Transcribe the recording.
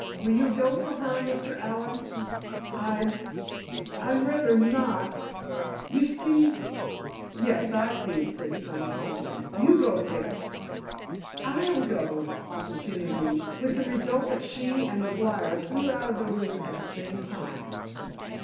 Will you go for her, Mr. Allen?" "I'd—I'd rather not—you see——" "Yes, I see," said Stone, kindly. "You go, Fibs." "I'll go," offered Genevieve, with the result that she and McGuire flew out of the room at the same time.